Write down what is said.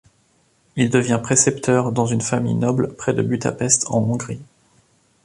Il devient précepteur dans une famille noble près de Budapest en Hongrie.